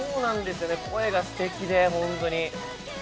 声がすてきで、本当に。